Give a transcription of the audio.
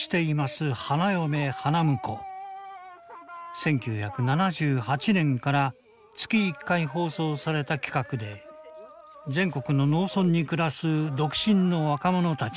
１９７８年から月１回放送された企画で全国の農村に暮らす独身の若者たちが結婚相手を募集。